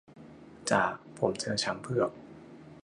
จ่า ผมเจอช้างเผือก